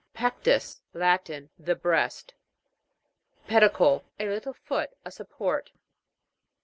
PEC'TUS. Latin. The breast. PED'ICLE. A little foot : a support.